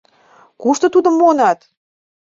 Кушто тудым муынат?»